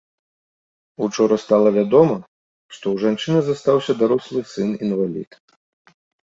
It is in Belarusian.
Учора стала вядома, што ў жанчыны застаўся дарослы сын-інвалід.